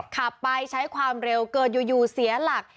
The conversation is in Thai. ขับไปใช้ความเร็วเกิดอยู่เสียหลัก